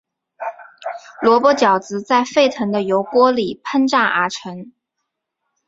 萝卜饺子在沸腾的油锅里烹炸而成。